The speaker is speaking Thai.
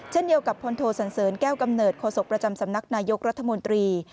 เช่นเดียวกับพลโทสันเสริญแก้วกำเนิดโศกประจำสำนักนายกรัฐมนตรี